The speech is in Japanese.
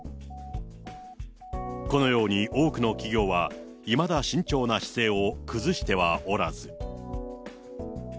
このように多くの企業は、いまだ慎重な姿勢を崩してはおらず。